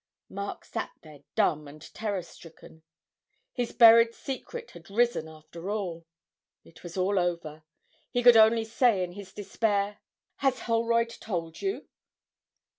Mark sat there dumb and terror stricken. His buried secret had risen after all it was all over. He could only say in his despair 'Has Holroyd told you?'